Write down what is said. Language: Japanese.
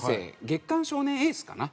『月刊少年エース』かな。